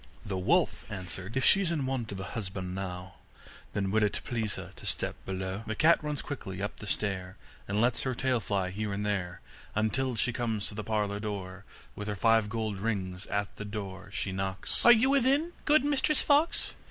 The wolf answered: 'If she's in want of a husband now, Then will it please her to step below?' The cat runs quickly up the stair, And lets her tail fly here and there, Until she comes to the parlour door. With her five gold rings at the door she knocks: 'Are you within, good Mistress Fox?